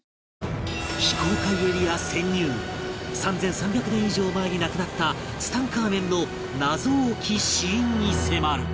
３３００年以上前に亡くなったツタンカーメンの謎多き死因に迫る